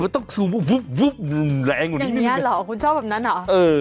อย่างนี้หรอคุณชอบแบบนั้นเหรอ